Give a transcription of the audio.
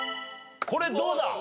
これどうだ？